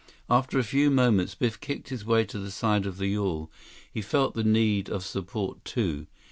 After a few moments, Biff kicked his way to the side of the yawl. He felt the need of support, too.